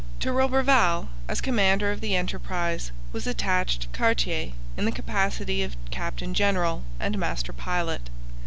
To Roberval, as commander of the enterprise, was attached Cartier in the capacity of captain general and master pilot.